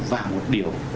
và một điều